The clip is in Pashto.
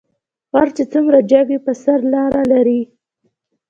غر چې څومره جګ وي په سر لار لري